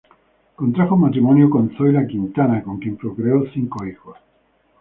Contrajo matrimonio con Zoila Quintana, con quien procreó cinco hijos.